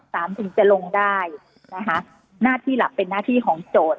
ถึงจะลงได้นะคะหน้าที่หลักเป็นหน้าที่ของโจทย์